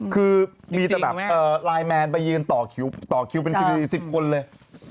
คือมีแต่แบบไลน์แมนไปยืนต่อคิวเป็นคิว๑๐คนเลย